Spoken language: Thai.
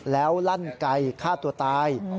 แล้วลั่นไก่ฆ่าตัวตาย